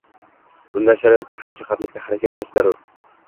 Bunday sharoitda hamjihatlikda harakat qilish zarur.